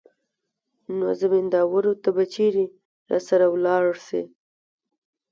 نو زمينداورو ته به چېرې راسره ولاړه سي.